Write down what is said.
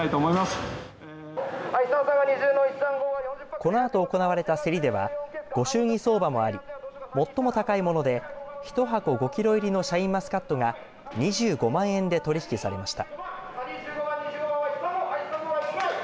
このあと行われた競りではご祝儀相場もあり最も高いもので１箱５キロ入りのシャインマスカットが２５万円で取り引きされました。